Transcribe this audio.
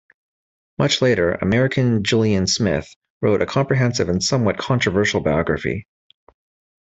Much later, American Julian Smith wrote a comprehensive and somewhat controversial biography.